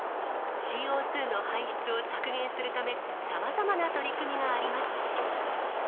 ＣＯ２の排出を削減するため、さまざまな取り組みがあります。